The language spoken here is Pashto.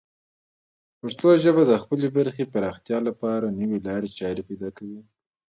پښتو ژبه د خپلې برخې پراختیا لپاره نوې لارې چارې پیدا کوي.